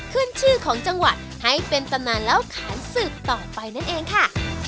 ขึ้นชื่อของจังหวัดให้เป็นตำนานเล่าขานสืบต่อไปนั่นเองค่ะ